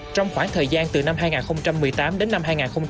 trong khoảng thời gian từ năm hai nghìn một mươi tám đến năm hai nghìn một mươi chín